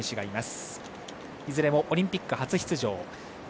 いずれもオリンピック初出場。